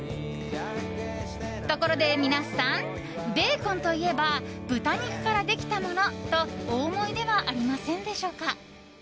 ところで皆さんベーコンといえば豚肉からできたものとお思いではありませんでしょうか？